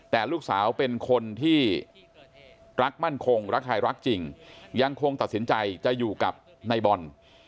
แต่ลูกสาวเป็นคนที่รักมั่นคงรักใครรักจริงยังคงตัดสินใจจะอยู่กับนายบอล